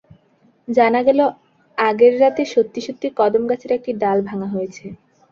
জানা গেল অ্যাগের রাতে সত্যি-সত্যি কদমগাছের একটি ডাল ভাঙা হয়েছে।